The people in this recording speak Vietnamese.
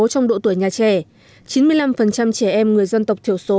trong độ tuổi nhà trẻ chín mươi năm trẻ em người dân tộc thiểu số